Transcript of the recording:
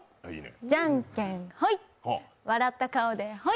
じゃんけんホイ！